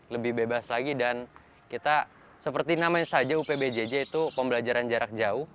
lebih bebas lagi dan kita seperti namanya saja upbjj itu pembelajaran jarak jauh